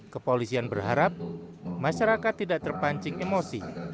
kepolisian berharap masyarakat tidak terpancing emosi